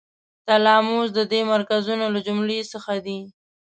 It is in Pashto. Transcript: تلاموس د دې مرکزونو له جملو څخه دی.